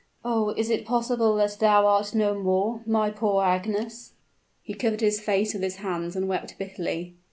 "Oh! is it possible that thou art no more, my poor Agnes!" He covered his face with his hands and wept bitterly.